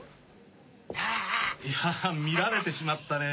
いや見られてしまったね